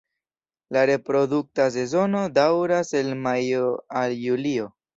La reprodukta sezono daŭras el majo al julio.